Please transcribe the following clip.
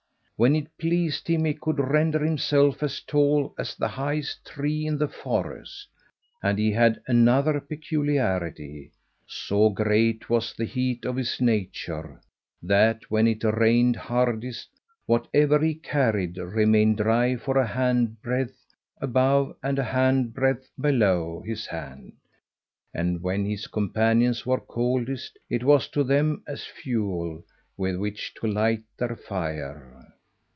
When it pleased him he could render himself as tall as the highest tree in the forest. And he had another peculiarity so great was the heat of his nature, that, when it rained hardest, whatever he carried remained dry for a handbreadth above and a handbreadth below his hand; and when his companions were coldest, it was to them as fuel with which to light their fire.